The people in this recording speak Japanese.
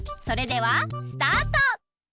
それではスタート！